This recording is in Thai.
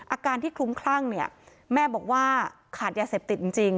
อาการที่คลุ้มคลั่งเนี่ยแม่บอกว่าขาดยาเสพติดจริง